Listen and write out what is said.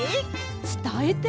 つたえて。